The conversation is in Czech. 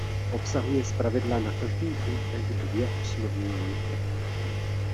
Obsahuje zpravidla na každý útek dvě osnovní nitě.